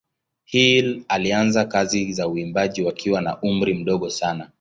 Hill alianza kazi za uimbaji wakiwa na umri mdogo sana.